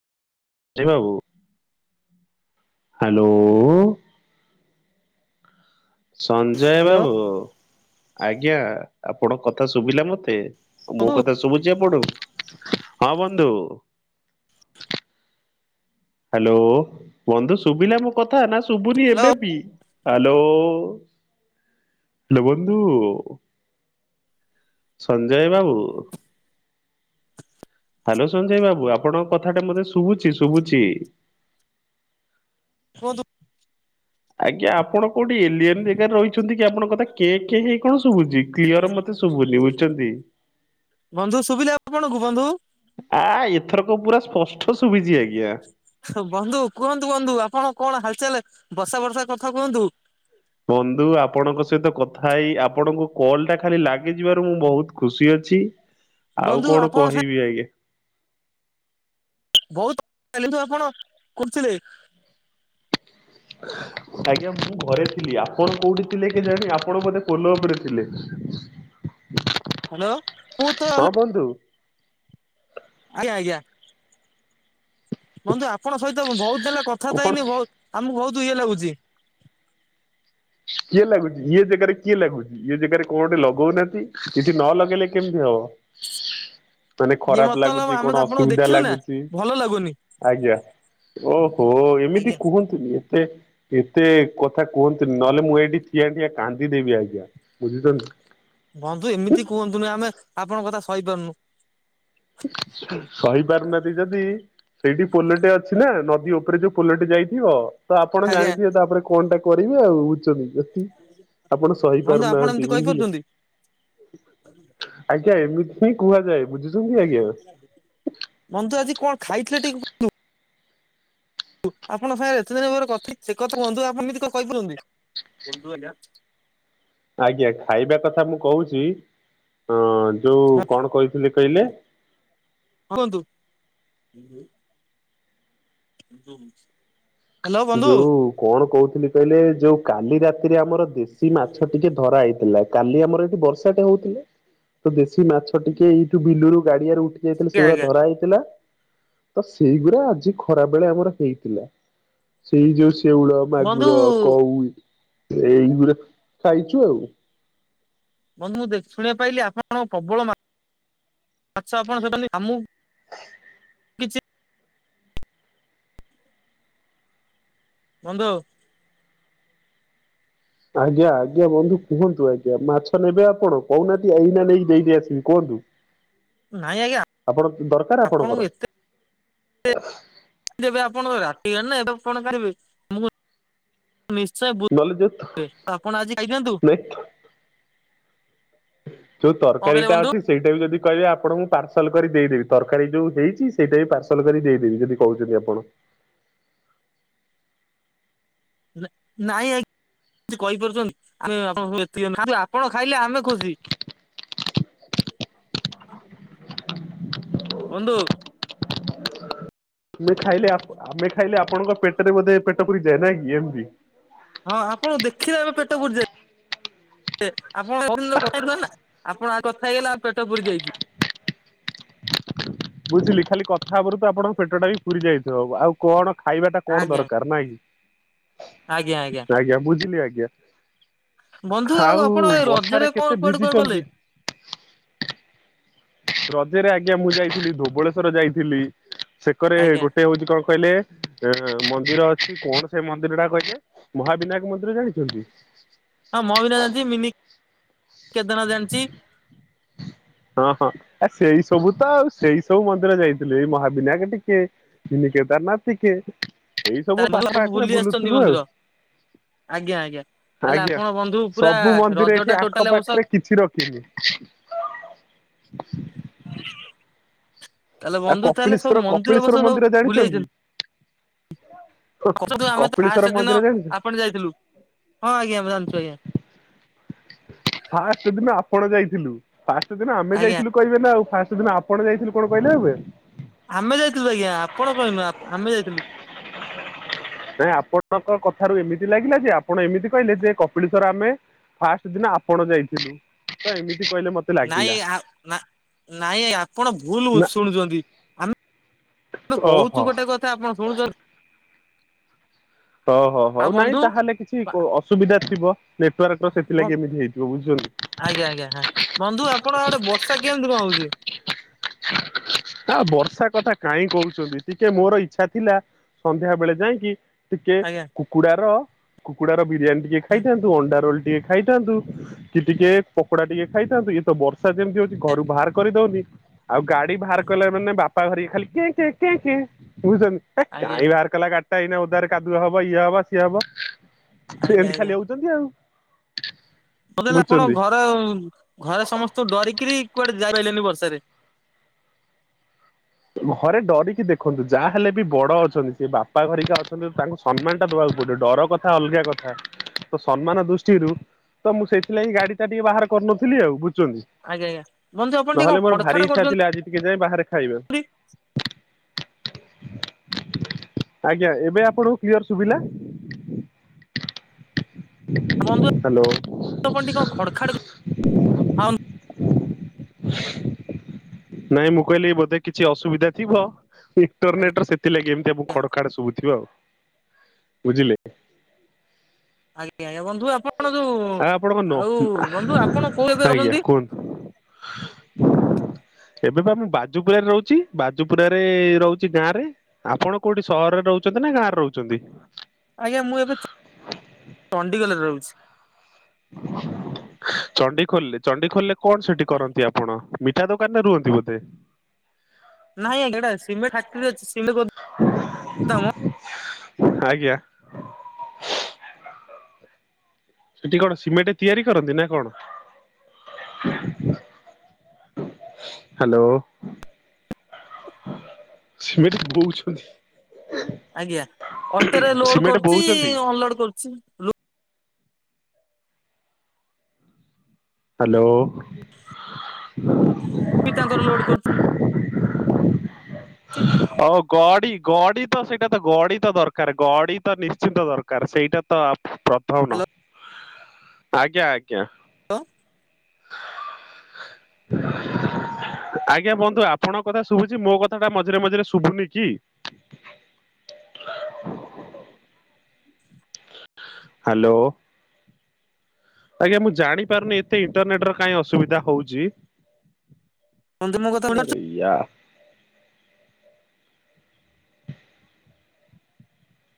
ଏ ବାବୁ। Hello. Sanjay hello ବାବୁ ଆଜ୍ଞା ଆପଣ କଥା ଶୁଭିଲା ମତେ। ମୋ ବନ୍ଧୁ କଥା ଶଭୁଚି ଆପଣଙ୍କୁ? ହଁ ବନ୍ଧୁ। ହ୍ୟାଲୋ ବନ୍ଧୁ ଶୁଭିଲା ମୋ କଥା ନା ଶୁଭୁନି ହ୍ୟାଲୋ ଏବେ ବି? ହ୍ୟାଲୋ ହ୍ୟାଲୋ ବନ୍ଧୁ। ସଞ୍ଜୟ ବାବୁ। ହ୍ୟାଲୋ ସଞ୍ଜୟ ବାବୁ ଆପଣଙ୍କ କଥା ଟା ମତେ ଶୁଭୁଛି ଶୁଭୁଛି। କୁହନ୍ତୁ। ଆଜ୍ଞା ଆପଣ କୋଉଠି ଏଲିଅନ ଜାଗାରେ ରହିଛନ୍ତି କି ଆପଣଙ୍କ କଥା କେ କେ ହେଇ କଣ ଶୁଭୁଛି କ୍ଲିୟର ମତେ ତେ ଶୁଭୁନି ବୁଝୁଛନ୍ତି? ବନ୍ଧୁ ସୁବିଲା ଆପଣଙ୍କୁ ବନ୍ଧୁ? ଆ ଏଥରକ ପୁରା ସ୍ପଷ୍ଟ ଶୁଭିଛି ଆଜ୍ଞା। ବନ୍ଧୁ କୁହନ୍ତୁ ବନ୍ଧୁ ଆପଣ କଣ ହାଲଚାଲ ବର୍ଷା ବର୍ଷା କଥା କୁହନ୍ତୁ? ବନ୍ଧୁ ଆପଣଙ୍କ ସହିତ କଥା ହେଇ ଆପଣଙ୍କୁ କଲ୍ ଟା ଖାଲି ଲାଗିଯିବାରୁ ମୁଁ ବହୁତ ଖୁସି ଅଛି। ଆଉ ବନ୍ଧୁ କଣ ଆପଣ ସାଙ୍ଗେ କହିବି ଆଜ୍ଞା? ବହୁତ କାଲିଠୁ ଆପଣ କରୁଥିଲେ। ହ [inaudible] ଆଜ୍ଞା ମୁଁ ଘରେ ଥିଲି। ଆପଣ କୋଉଠି ଥିଲେ କି ଜାଣି ଆପଣ ବୋଧେ ପୋଲ ଉପରେ ଥିଲେ। [unintelligible] ହ୍ୟାଲୋ ମୁ ତ ହେଲେ କୁହନ୍ତୁ। ଆଜ୍ଞା ଆଜ୍ଞା। ବନ୍ଧୁ ଆପଣ ସହିତ ମୁଁ ବହୁତ ଦିନ ହେଲା କଥାବାର୍ତ୍ତା କଣ ହେଇନି ବହୁତ ଆମକୁ ବହୁତ ଇଏ ଲାଗୁଛି। କିଏ ଲାଗୁଛି ଇଏ ଜାଗାରେ କିଏ ଲାଗୁଛି ଇଏ ଜାଗାରେ କଣ ଗୋଟେ ଲଗଉନାହାନ୍ତି କିଛି ନ ଲଗେଇଲେ କେମିତି ହବ? [unintelligible] ଯଦି ଖରାପ ମତଲବ ଲାଗୁଛି ଆମେ ତ କଣ ଆପଣଙ୍କୁ ଅସୁବିଧା ଦେଖିନୁ ନା ଲାଗୁଛି ଭଲ ଲାଗୁନି ଆଜ୍ଞା ଓହୋ ଏମିତି ଆଜ୍ଞା କୁହନ୍ତୁ ନ୍ତୁନି ଏତେ ଏତେ କଥା କୁହନ୍ତ ନହେଲେ ମୁଁ ଏଇଠି ଠିଆ ଠିଆ କାନ୍ଦିଦେବି ଆଜ୍ଞା ବୁଝୁଛନ୍ତି। ବନ୍ଧୁ ଏମିତି କୁହନ୍ତୁନି ଆମେ ଆପଣଙ୍କ କଥା ସହିପାରୁନୁ। ସହି ପାରୁନାହାନ୍ତି ଯଦି ସେଇଠି ପୋଲଟେ ଅଛି ନା। ନଦୀ ଉପରେ ଯୋଉ ପୋଲଟେ ଯାଇଥିବ। ତ ଆପଣ ଆଜ୍ଞା ଜାଣିଥିବେ ତାପରେ କଣ ଟା କରିବେ ଆଉ ବୁଝୁଛନ୍ତି। ଆପଣ ସହି ବନ୍ଧୁ ଆପଣ ଏମିତି ପାରୁନାହାନ୍ତି ବୁଝିଲେ। କହିପାରୁଛନ୍ତି ଆଜ୍ଞା ଏମିତି ହିଁ କୁହାଯାଏ। ବୁଝୁ ବନ୍ଧୁ ଆଜି କଣ ଖାଇଥିଲେ। ଟିକେ ଆପଣ ସାଙ୍ଗରେ ଏତେ ଦିନପରେ କଥା ସେ କଥା କୁହନ୍ତୁ। ଆପଣ ଏମତି କହିପାରନ୍ତି। ଆଜ୍ଞା ଖାଇବା କଥା ମୁଁ କହୁଛି। ଅ ଯୋଉ ହଁ କଣ କହିଥିଲି କହିଲେ? କୁହନ୍ତୁ। ହୁଁ। ଯୋଉ କଣ କହୁଥିଲି କହିଲେ ଯୋଉ କାଲି ରାତିରେ ଆମର ଦେଶୀ ମାଛ ଟିକେ ଧରା ହେଇଥିଲା। କାଲି ଆମର ଏଇଠି ବର୍ଷାଟେ ହଉଥିଲେ। ତ ଦେଶୀ ମାଛ ଟିକେ ଏଇଠୁ ବିଲୁରୁ ଗାଡିଆରେ ଉଠି ଯାଇ ଆଜ୍ଞା ସେଗୁଡା ଆଜ୍ଞା ଧରା ହେଇଥିଲା। ତ ସେଇଗୁଡା ଆଜି ଖରା ବେଳେ ଆମର ହେଇଥିଲା। ସେଇ ଯୋଉ ଶେଉଳ ବନ୍ଧୁ ମାଗୁର କଉ ଏଇଗଡା ଖାଇଛୁ ଆଉ। ବନ୍ଧୁ ମୁଁ ଶୁଣିବା ପାଇଲି ଆପଣ ପ୍ରବଳ ମାଛ ମାଛ ଆପଣ ସେ ଆମୁ ବନ୍ଧୁ। ଆଜ୍ଞା ଆଜ୍ଞା ବନ୍ଧୁ କୁହନ୍ତୁ ଆଜ୍ଞା ମାଛ ନେବେ ଆପଣ କହୁନାହାନ୍ତି ଏଇନା ନେଇକି ଦେଇଦେଇ ଆସିବି କୁହନ୍ତୁ। ନାଇଁ ଆଜ୍ଞା ଆପଣ ଦରକାର ଆପଣଙ୍କୁ ଆପଣଙ୍କର। ଯେବେ ଆପଣଙ୍କ ରାତି ହେଲେ ନା ଏବେ ଆଉ କଣ ଖାଇବେ? ନହେଲେ ଯୋଉ ନିଶ୍ଚୟ ଆପଣ ଆଜି ଖାଇଥାଅନ୍ତୁ। ନାଇଁ ଯୋଉ କଣ ତରକାରୀ କହିଲେ ଟା ବନ୍ଧୁ? ଅଛି। ସେଇଟା ବି ଯଦି କହିବେ ଆପଣଙ୍କୁ ପାର୍ସଲ କରି ଦେଇଦେବି। ତରକାରୀ ଯୋଉ ହେଇଛି ସେଇଟା ବି ପାର୍ସଲ କରି ଦେଇଦେବି। ଯଦି କହୁଛନ୍ତି ଆପଣ। ନାଇଁ ଆଜ୍ଞା। ଆପଣ ଖାଇଲେ ଆମେ ଖୁସି। ବନ୍ଧୁ। ଆମେ ଖାଇଲେ ଆମେ ଖାଇଲେ ଆପଣଙ୍କ ପେଟରେ ବୋଧେ ପେଟ ପୁରିଯାଏ ନାଁ କି ଏମିତି। ହଁ ଆପଣ ଦେଖିଲେ ଏବେ ପେଟ ପୂରିଯାଏ। ଆପଣ କହି ନା। ଆପଣ ଆଉ କଥା ହେଇଗଲା ଆ ପେଟ ପୁରି ଯାଇଛି। ବୁଝିଲି ଖାଲି କଥା ହେବରୁ ତ ଆପଣଙ୍କ ପେଟ ଟାବି ପୁରି ଯାଇଥିବ ଆଉ। କଣ ଖାଇବା ଟା କଣ ଆଜ୍ଞା ଦରକାର ନାଇଁ କି। ଆଜ୍ଞା ବୁଝିଲି ଆଜ୍ଞା। ବନ୍ଧୁ ଆଉ ଆପଣ ଏ ବର୍ଷା ରଜରେ ରେ କଣ କେତେ କୁଆଡେ କୁଆଡେ ଗଲେ? ଭିଜିଛନ୍ତି? ରଜରେ ଆଜ୍ଞା ମୁଁ ଯାଇଥିଲି ଧୋବଳେଶ୍ୱର ଯାଇଥିଲି। ସେକରେ ଆଜ୍ଞା ଗୋଟେ ହଉଛି କଣ କହିଲେ? ଏ ମନ୍ଦିର ଅଛି। କଣ ସେ ମନ୍ଦିର ଟା କହିଲେ? ମହାବିନାୟକ ମନ୍ଦିର ଜାଣିଛନ୍ତି। ହଁ ମହାବିନାୟକ ଜାଣିଛି। ମିନି କେଦାରନାଥ ଜାଣିଛି। ହଁ ହଁ ଆ ସେଇ ସବୁ ତ ଆଉ ସେଇ ସବୁ ମନ୍ଦିର ଯାଇଥିଲୁ। ଏଇ ମହାବିନାୟକ ଟିକେ ମିନି କେଦାରନାଥ ଟିକେ। ଏଇ ସବୁ ତାହେଲେ ବନ୍ଧୁ ପାଖ ପାଖରେ ବୁଲି ଆସିଛନ୍ତି ବୁଲୁଥିଲୁ ଆଉ। ମନ୍ଦିର। ଆଜ୍ଞା ଆଜ୍ଞା। ତାହେଲେ ଆଜ୍ଞା ଆପଣ ବନ୍ଧୁ ପୁରା ସବୁ ମନ୍ଦିର ରଜ ଏଠି ଟା ଆଖ ଟୋଟାଲ ଆବଶ୍ୟକ। ପାଖରେ କିଛି ହୁଁ। ତାହେଲେ ଆ ବନ୍ଧୁ ତାହେଲେ ସବୁ କପିଳେଶ୍ଵର ମନ୍ଦିର ଏ ବର୍ଷ କପିଳେଶ୍ୱର ସବୁ ମନ୍ଦିର ବୁଲି ଜାଣିଛନ୍ତି। ତୁ ଆମେ କପିଳେଶ୍ଵର ଫାଷ୍ଟ ଦିନ ମନ୍ଦିର ଜାଣିଛ ଆପଣ ଯାଇଥିଲୁ। ହଁ ଆଜ୍ଞା ଜାଣିଛୁ ଆଜ୍ଞା। ଫାଷ୍ଟ ଦିନ ଆପଣ ଯାଇଥିଲୁ। ଫାଷ୍ଟ ଦିନ ଆମେ ଆଜ୍ଞା। ଯାଇଥିଲୁ। କହିବେ ନା ଆଉ ଫାଷ୍ଟ ଦିନ ଆପଣ ଯାଇଥିଲୁ କଣ କହିଲେ ଏବେ। ଆମେ ଯାଇଥିଲୁ ଆଜ୍ଞା। ଆପଣ କହିନୁ ଆମେ ଯାଇଥିଲୁ। ନାଇଁ ଆପଣଙ୍କ କଥାରୁ ଏମିତି ଲାଗିଲା ଯେ ଆପଣ ଏମିତି କହିଲେ ଯେ କପିଳେଶ୍ୱର ଆମେ ଫାଷ୍ଟ ଦିନ ଆପଣ ଯାଇଥିଲୁ। ତ ଏମିତି କହିଲେ ମତେ। ନାଇଁ ଲାଗିଲା ଆ ନା ନାଇଁ ଆପଣ ଭୁଲ ନା ବୁଝୁ ଶୁଣୁଛନ୍ତି। ଆମେ କହୁଛୁ ଓହୋ। ଗୋଟେ କଥା ଆପଣ ଶୁଣୁଛନ୍ତି ଓହୋ ଆଉ ହଉ ନାଇଁ ବନ୍ଧୁ ତାହେଲେ କିଛି ଅସୁବିଧା ଥିବ ନେଟୱାର୍କ ର ସେଥିଲାଗି ଏମିତି ହେଇଥିବ ବୁଝିଲକି ଆଜ୍ଞା ଆଜ୍ଞା ବନ୍ଧୁ ଆପଣ ଆଡେ ବର୍ଷା କେମିତି କଣ ହଉଛି? ଆ ବର୍ଷା କଥା କାହିଁ କହୁଛନ୍ତି ଟିକେ ମୋର ଇଚ୍ଛା ଥିଲା ସନ୍ଧ୍ୟା ବେଳେ ଯାଇକି ଟିକେ ଆଜ୍ଞା କୁକୁଡାର କୁକୁଡାର ବିରିୟାନୀ ଟିକେ ହୁଁ ଖାଇଥାନ୍ତୁ ଅଣ୍ଡା ରୋଲ ଟିକେ ଖାଇଥାନ୍ତୁ କି ଟିକେ ପକୋଡା ଟିକେ ଖାଇଥାନ୍ତୁ ଇଏ ତ ବର୍ଷ ସା ଯେମିତି ହଉଛି ଘରୁ ବାହାର କରିଦଉନି ଆଉ ଗାଡି ବାହାର କଲେ ମାନେ ବା ପା ଧରିକି ଖାଲି କେ କେ କେ କେ ହୋଇଛନ୍ତି ହେ ଆଜ୍ଞା କାଇଁ ଭାର କାଲା ଗାଡଟା ଏଇନା ଓଧାରେ କାଦୁଅ ହବ ଇଏ ହବ ସିଏ ହବ ଥୁ ଆଜ୍ଞା ଏମିତି ଖାଲି ହଉଛନ୍ତି ଆଉ। [unintelligible] ଲେ ଆପଣ ବୁଝୁଛନ୍ତି। ଘରେ ଘରେ ସମସ୍ତଙ୍କୁ ଡରିକିରି କୁଆଡେ ଯାଇପାଇଲେନି ବର୍ଷାରେ ଘରେ ଡରିକି ଦେଖନ୍ତୁ ଯାହା ହେଲେ ବି ବଡ ଅଛନ୍ତି ସେ ବାପା ଭାରିକା ଅଛନ୍ତି ତାଙ୍କୁ ସମ୍ମାନ ଟା ଦବାକୁ ପଡିବ ଡର କଥା ଅଲଗା କଥା ତ ସମ୍ମାନ ଦୃଷ୍ଟିରୁ ତ ମୁଁ ସେଇଥିଲାଗି ଗାଡି ଟା ଟିକେ ବାହାର କରିନଥିଲି ଆଉ ବୁଝୁଛନ୍ତି ଆଜ୍ଞା ଆଜ୍ଞା ବନ୍ଧୁ ଆପଣ ଟିକେ କଣ ଖଡ ଖାଡ କରୁଛନ୍ତି। କେ ଯାଇ ବାହାରେ ଖାଇବେ। ଆଜ୍ଞା ଏବେ ଆପଣଙ୍କୁ କ୍ଲିଅର ଶୁଭିଲା ବନ୍ଧୁ ହ୍ୟାଲୋ ଆ ଆପଣ ଟିକେ କଣ ଖଡ ଖାଡ କ ନାଇଁ ମୁଁ କହିଲି ବୋଧେ କିଛି ଅସୁବିଧା ଥିବ। ଆଜ୍ଞା ଇଣ୍ଟରନେଟରେ ସେଥିଲାଗି ଏମତି ଆମ ଆଜ୍ଞା ଖଡ ଖାଡ ଶୁଭୁଥିବ ଆଉ ବୁଝିଲେ। ଆଜ୍ଞା ଆଜ୍ଞା ବନ୍ଧୁ ଆପଣ ଯୋଉ ଆଉ ଆପଣଙ୍କ ନ ଆଉ ବନ୍ଧୁ ଆପଣ କୋଉ ଏବେ ରହନ୍ତି? [inaudible] ଏବେ ବା ମୁଁ ବାଜୁପୁରରେ ରହୁଛି ବାଜୁପୁରାରେ ରହୁଛି ଗାଁ ରେ ଆପଣ କୋଉଠି ସହରରେ ରହୁଚନ୍ତି ନା ଗାଁରେ ରହୁଚନ୍ତି? ଆଜ୍ଞା ମୁଁ ଏବେ ଚ ଚଣ୍ଡିଗଲରେ ରହୁଛି। ଚଣ୍ଡିଖୋଲଲେ ଚଣ୍ଡିଖୋଲରେ କଣ ସେଠି କରନ୍ତି ଆପଣ? ମିଠା ଦୋକାନରେ ରୁହନ୍ତି ବୋଧେ? ନାଇଁ ଆ ଏଟା ସିମେ ଫାକ୍ଟ୍ରି ରେ ଅଛି ସି [inaudible] ଆଜ୍ଞା ସେଠି କଣ ସିମେଣ୍ଟ ତିଆରି କରନ୍ତି ନା କଣ? ହ୍ୟାଲୋ ସେମିତି କହୁଚନ୍ତି ଆଜ୍ଞା ଅଟୋରେ ଲୋଡ ସିମେଣ୍ଟ କରୁଛି ବୋହୁଛନ୍ତି? ଅଲୋଡ କରୁଛି। ହ୍ୟାଲୋ ପି ତାଙ୍କର ଲୋଡ କରୁ ହଉ ଗଡି ଗଡ଼ି ତ ସେଇଟା ତ ଗଡି ତ ଦରକାର ଗଡି ତ ନିଶ୍ଚିନ୍ତ ଦରକାର ସେଇଟା ତ ଆଉ ପ୍ରଥମ ନ ଆଜ୍ଞା ଆଜ୍ଞା ଲୋ ଆଜ୍ଞା ବନ୍ଧୁ ଆପଣଙ୍କ କଥା ଶୁଭୁଛି ମୋ କଥା ଟା ମଝିରେ ମଝିରେ ଶୁଭୁନି କି? ହ୍ୟାଲୋ ଆଜ୍ଞା ମୁଁ ଜାଣିପାରୁନି ଏତେ ଇଣ୍ଟରନେଟ ର କାଇଁ ଅସୁବିଧା ହଉଛି? ବନ୍ଧୁ ମୋ କଥା ଆରେ ୟାର